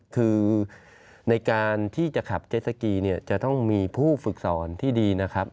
คือในการที่จะขับเจสสกีเนี่ยจะต้องมีผู้ฝึกสอนที่ดีนะครับ